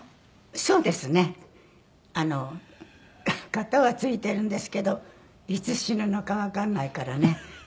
片は付いてるんですけどいつ死ぬのかわからないからね。